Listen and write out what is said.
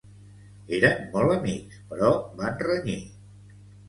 Eren molt amics, però van renyir.